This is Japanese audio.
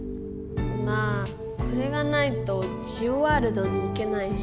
まあこれがないとジオワールドに行けないし。